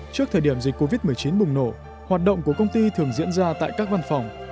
trước thời điểm dịch covid một mươi chín bùng nổ hoạt động của công ty thường diễn ra tại các văn phòng